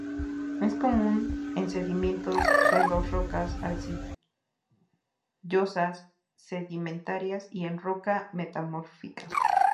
Es común en sedimentos, suelos, rocas arcillosas sedimentarias, y en roca metamórfica.